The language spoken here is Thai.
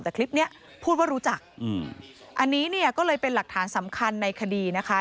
แต่คลิปเนี้ยพูดว่ารู้จักอืมอันนี้เนี่ยก็เลยเป็นหลักฐานสำคัญในคดีนะคะ